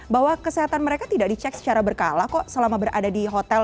bahwa kesehatan mereka tidak dicek secara berkala kok selama berada di hotel